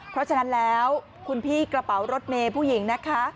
เพราะฉะนั้นแล้วคุณพี่กระเป๋ารถเมย์ผู้หญิงนะคะ